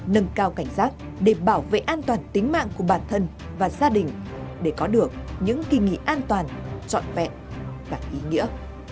nâng cao cảnh giác để bảo vệ an toàn tính mạng của bản thân và gia đình để có được những kỳ nghỉ an toàn trọn vẹn và ý nghĩa